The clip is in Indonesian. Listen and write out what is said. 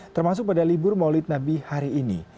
termasuk pada libur maulid nabi hari ini